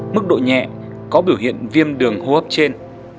mức độ nhẹ có biểu hiện viêm đường hô hấp trên